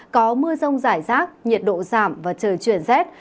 có mưa rông rải rác nhiệt độ giảm và trời chuyển rét